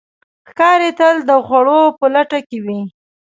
ښکاري تل د خوړو په لټه کې وي.